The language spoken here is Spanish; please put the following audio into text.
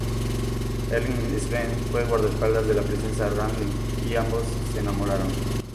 Erling Sven fue guardaespaldas de la princesa Ragnhild, y ambos se enamoraron.